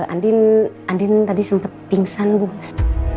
andin andin tadi sempet pingsan bu bos